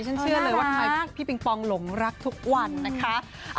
เชื่อเลยว่าทำไมพี่ปิงปองหลงรักทุกวันนะคะ